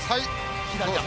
左。